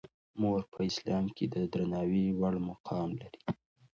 مور په اسلام کې د درناوي وړ مقام لري.